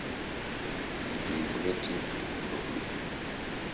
It is native to Colombia.